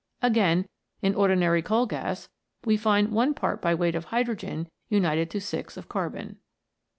Again, in ordinary coal gas we find one part by weight of hydrogen xinited to six of carbon.